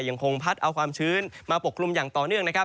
ยังคงพัดเอาความชื้นมาปกคลุมอย่างต่อเนื่องนะครับ